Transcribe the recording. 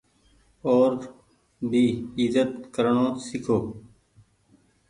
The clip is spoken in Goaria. او ر ڀي ايزت ڪرڻو سيکو۔